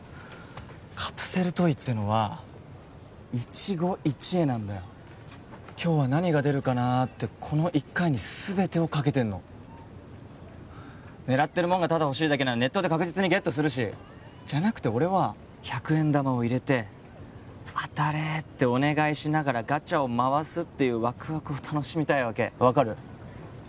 カプセルトイってのは一期一会なんだよ今日は何が出るかなあってこの１回に全てをかけてんの狙ってるもんがただ欲しいだけならネットで確実にゲットするしじゃなくて俺は１００円玉を入れて「当たれ」ってお願いしながらガチャを回すっていうワクワクを楽しみたいわけ分かる？